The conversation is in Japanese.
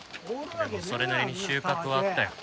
でもそれなりに収穫はあったよ。